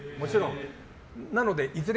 なのでいずれ